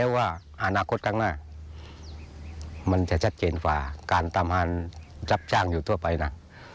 ว่าอนาคตข้างหน้ามันจะชัดเจนกว่าการตามหารับจ้างอยู่ทั่วไปนะ